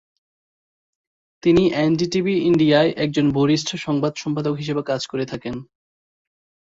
তিনি এনডিটিভি ইন্ডিয়ায় একজন বরিষ্ঠ সংবাদ সম্পাদক হিসেবে কাজ করে থাকেন।